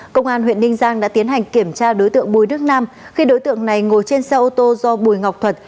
công an huyện ninh giang đã tiến hành kiểm tra đối tượng bùi đức nam khi đối tượng này ngồi trên xe ô tô do bùi ngọc thuật